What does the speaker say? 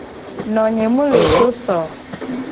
Nonye mu le so so o.